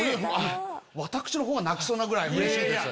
私のほうが泣きそうなぐらいうれしいです。